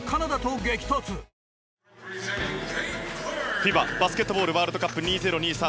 ＦＩＢＡバスケットボールワールドカップ２０２３。